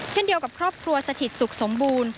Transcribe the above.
เช่นเดียวกับครอบครัวสถิตสุขสมบูรณ์